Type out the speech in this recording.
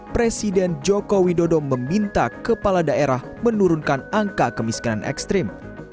presiden joko widodo meminta kepala daerah menurunkan angka kemiskinan ekstrim